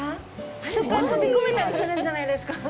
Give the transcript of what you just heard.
あそこから飛び込めたりするんじゃないですか？